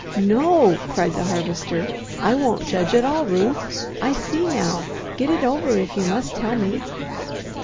"No!" cried the Harvester, "I won't judge at all, Ruth. I see now. Get it over if you must tell me."